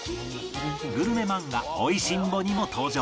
グルメ漫画『美味しんぼ』にも登場